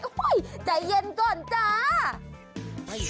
โอ้โฮใจเย็นก่อนจ้า